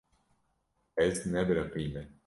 Ez nebiriqîme.